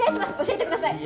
教えてください！